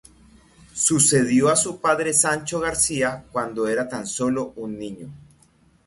Sucedió a su padre Sancho García cuando era tan solo un niño.